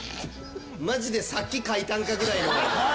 マジでさっき書いたんか？ぐらいの。